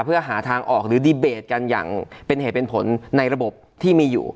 เพื่อหาทางออกหรือดีเบตกันอย่างเป็นเหตุเป็นผลในระบบที่มีอยู่